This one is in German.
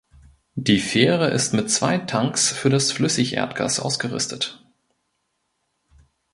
Die Fähre ist mit zwei Tanks für das Flüssigerdgas ausgerüstet.